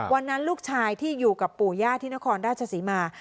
วันนั้นลูกชายที่อยู่กับปู่ย่าที่นครราชสีมา